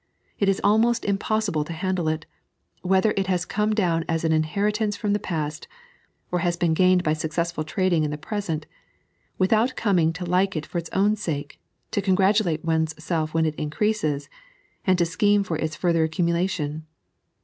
It is almost impossible to handle it, whether it has come down as eea inheritance from the past, or has been gained by successful trading in the present, without coming to like it for its own sake, to con gratulate oneself when it increases, and to scheme for its further accumulation.